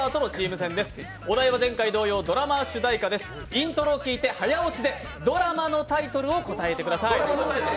イントロを聴いて早押しでドラマのタイトルを答えてください。